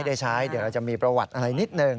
ได้ใช้เดี๋ยวเราจะมีประวัติอะไรนิดหนึ่ง